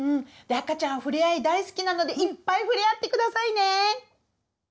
赤ちゃんふれあい大好きなのでいっぱいふれあってくださいね！